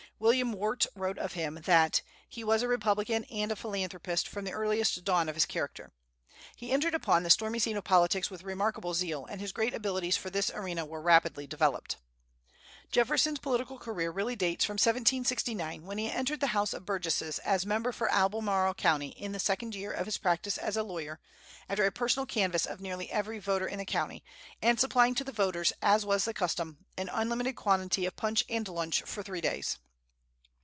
William Wirt wrote of him that "he was a republican and a philanthropist from the earliest dawn of his character." He entered upon the stormy scene of politics with remarkable zeal, and his great abilities for this arena were rapidly developed. Jefferson's political career really dates from 1769, when he entered the House of Burgesses as member for Albermarle County in the second year of his practice as a lawyer, after a personal canvass of nearly every voter in the county, and supplying to the voters, as was the custom, an unlimited quantity of punch and lunch for three days.